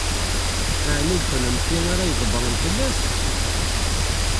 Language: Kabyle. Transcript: Ɛni d kennemti ara ydebbṛen fell-as?